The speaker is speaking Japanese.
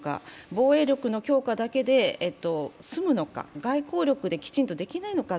防衛力強化だけで済むのか外交力で本当に何とかできないのか。